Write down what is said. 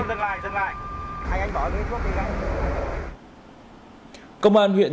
công an huyện nhân châu thành hải đoàn biên phòng hai mươi tám bộ đội biên phòng